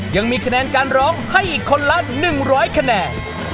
ยังมีคะแนนการร้องให้อีกคนละ๑๐๐คะแนน